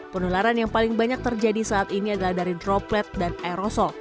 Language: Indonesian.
penularan yang paling banyak terjadi saat ini adalah dari droplet dan aerosol